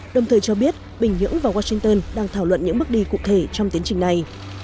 đồng thời cho biết bình nhưỡng và washington đang thảo luận những bước đi cụ thể trong tiến trình này